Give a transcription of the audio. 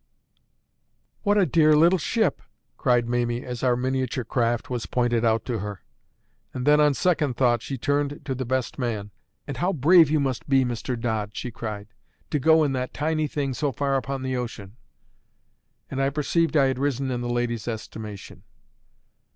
"What a dear little ship!" cried Mamie, as our miniature craft was pointed out to her. And then, on second thought, she turned to the best man. "And how brave you must be, Mr. Dodd," she cried, "to go in that tiny thing so far upon the ocean!" And I perceived I had risen in the lady's estimation.